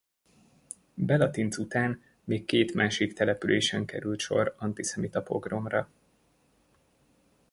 Belatinc után még két másik településen került sor antiszemita pogromra.